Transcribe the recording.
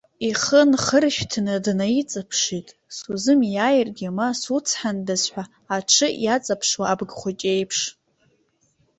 Ихы нхыршәҭны, днаиҵаԥшит, сузымиааиргьы ма суцҳандаз ҳәа аҽы иаҵаԥшуа абгахәыҷы еиԥш.